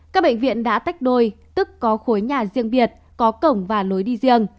các bệnh viện đã tách đôi tức có khối nhà riêng biệt có cổng và lối đi riêng